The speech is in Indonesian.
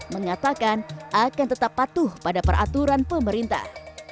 mengatakan akan tetap patuh pada peraturan pemerintah